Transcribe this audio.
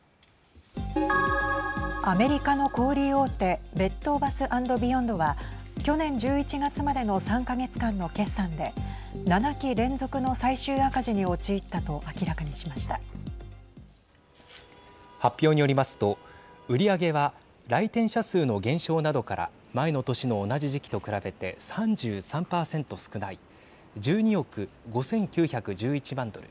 アメリカの小売り大手ベッド・バス・アンド・ビヨンドは去年１１月までの３か月間の決算で７期連続の最終赤字に陥ったと発表によりますと売り上げは来店者数の減少などから前の年の同じ時期と比べて３３％少ない１２億５９１１万ドル。